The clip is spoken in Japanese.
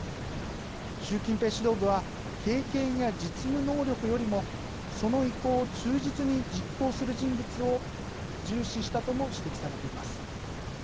習近平指導部は経験や実務能力よりもその意向を忠実に実行する人物を重視したとも指摘されています。